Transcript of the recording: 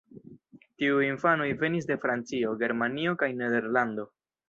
Tiuj infanoj venis de Francio, Germanio kaj Nederlando.